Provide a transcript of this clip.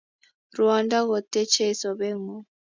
Ruondo kotechei sobet ngung